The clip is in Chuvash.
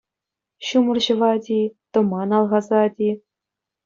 Ҫумӑр ҫӑвать-и, тӑман алхасать-и...